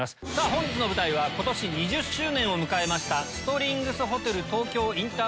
本日の舞台は今年２０周年を迎えました。